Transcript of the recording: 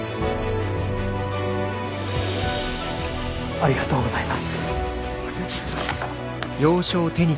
ありがとうございます。